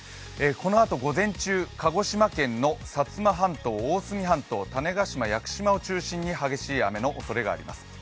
このあと午前中、鹿児島県の薩摩半島大隅半島、種子島、屋久島を中心に激しい雨のおそれがあります。